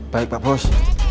baik pak pos